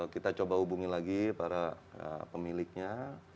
kita coba hubungi lagi para pemiliknya